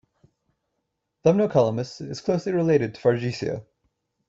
"Thamnocalamus" is closely related to "Fargesia.